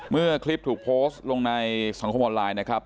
เมื่อคลิปถูกโพสต์ลงในสังคมออนไลน์นะครับ